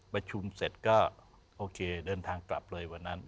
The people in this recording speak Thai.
ประชุมเสร็จก็โอเคเดินทางกลับเลยวันนั้น